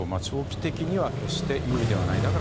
長期的には決して有利ではない。